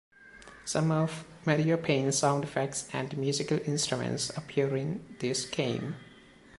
Some of "Mario Paint"s sound effects and musical instruments appear in this game.